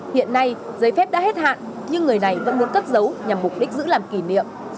hiện nay giấy phép đã hết hạn nhưng người này vẫn muốn cất giấu nhằm mục đích giữ làm kỷ niệm